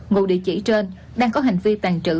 ngụ địa chỉ trên đang có hành vi tàn trữ